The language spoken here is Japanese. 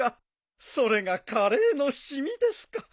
それがカレーの染みですか